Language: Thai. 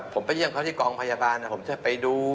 ผมไปเยี่ยมเขาที่กองพยาบาลผมจะไปดู